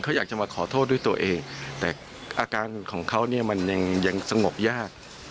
เขาอยากจะมาขอโทษด้วยตัวเองแต่อาการของเขาเนี่ยมันยังสงบยาก